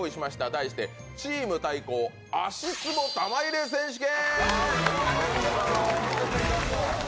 題して「チーム対抗！足つぼ玉入れ選手権」！